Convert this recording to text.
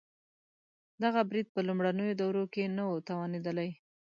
دغه برید په لومړنیو دورو کې نه و توانېدلی.